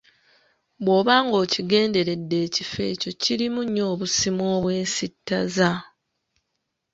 Bw’oba ng’okigenderedde ekifo ekyo kirimu nnyo obusimu obwesittaza.